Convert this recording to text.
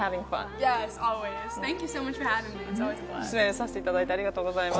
出演させていただいて、ありがとうございます。